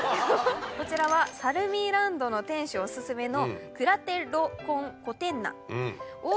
こちらはサルミーランドの店主オススメの。